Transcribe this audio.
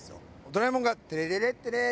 ドラえもんが「テレレレッテレー！」